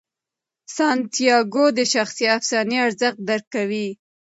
سانتیاګو د شخصي افسانې ارزښت درک کوي.